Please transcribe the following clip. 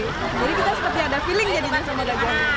jadi kita seperti ada feeling jadi nyasar sama gajah